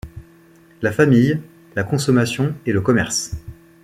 La famille, la consommation et le commerce.